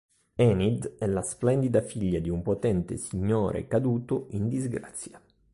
Enid è la splendida figlia di un potente signore caduto in disgrazia.